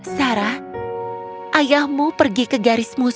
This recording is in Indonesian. sarah ayahmu pergi ke garis musuh